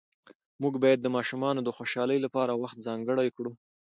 موږ باید د ماشومانو د خوشحالۍ لپاره وخت ځانګړی کړو